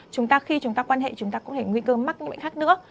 chúng ta khi chúng ta quan hệ chúng ta cũng có nguy cơ mắc những bệnh khác nữa